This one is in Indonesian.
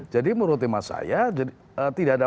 jadi menurut tema saya tidak ada